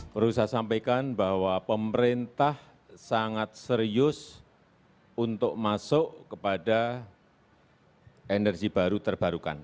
perlu saya sampaikan bahwa pemerintah sangat serius untuk masuk kepada energi baru terbarukan